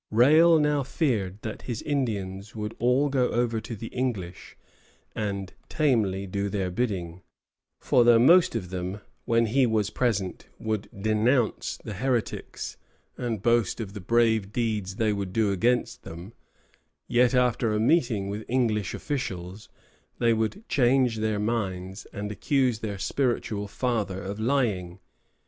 Rale now feared that his Indians would all go over to the English and tamely do their bidding; for though most of them, when he was present, would denounce the heretics and boast of the brave deeds they would do against them, yet after a meeting with English officials, they would change their minds and accuse their spiritual father of lying.